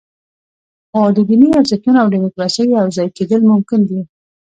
خو د دیني ارزښتونو او دیموکراسۍ یوځای کېدل ممکن دي.